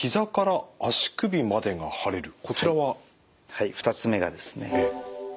はい２つ目がですねはっ